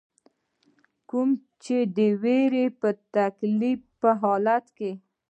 کومي چې د ويرې يا تکليف پۀ حالت کښې